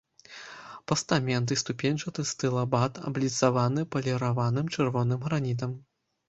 Пастамент і ступеньчаты стылабат абліцаваны паліраваным чырвоным гранітам.